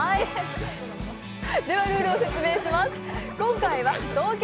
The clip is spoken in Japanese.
ではルールを説明します。